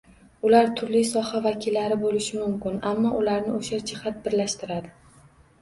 Ular turli soha vakillari bo‘lishi mumkin, ammo ularni o‘sha jihat birlashtiradi